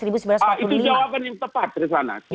itu jawaban yang tepat risana